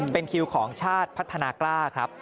เป็นคิวของชาติพัฒนากล้าครับ